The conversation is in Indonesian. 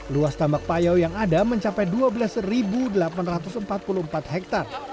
luas tambak payau yang ada mencapai dua belas delapan ratus empat puluh empat hektare